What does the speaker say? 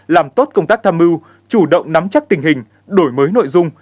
làm tốt công tác tham mưu chủ động nắm chắc tình hình đổi mới nội dung